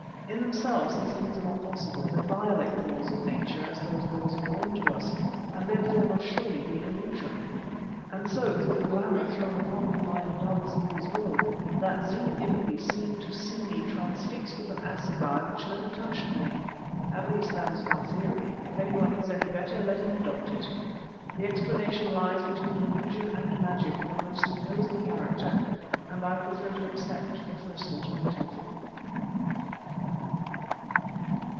In themselves these things are not possible, they violate the laws of nature, as those laws are known to us, and therefore must surely be illusion. And so through the glamour thrown upon them by Indaba zimbi's will, that Zulu Impi seemed to see me transfixed with an assegai which never touched me. At least, that is my theory; if any one has a better, let him adopt it. The explanation lies between illusion and magic of a most imposing character, and I prefer to accept the first alternative.